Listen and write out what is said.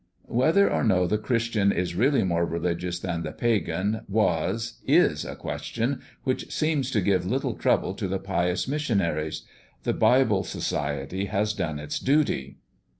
Whether or no the Christian is really more religious than the Pagan was, is a question which seems to give little trouble to the pious missionaries. The Bible Society has done its duty.